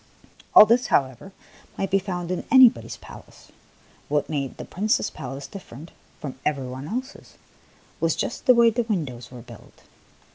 All this, how ever, might be found in anybody's palace; what made the Prince's palace different from every one else's was just the way the win dows were built.